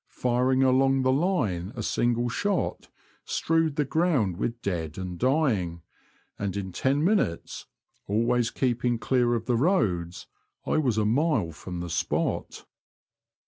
Firing along the line a single shot strewed the ground with dead and dying ; and in ten minutes, always keeping clear of the roads, I was a mile from the spot.